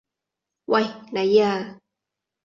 喂！你啊！